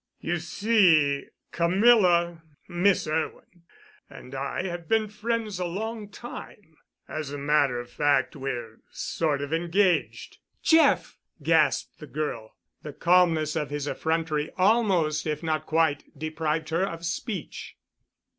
You see, Camilla—Miss Irwin—and I have been friends a long time—as a matter of fact, we're sort of engaged——" "Jeff!" gasped the girl. The calmness of his effrontery almost, if not quite, deprived her of speech.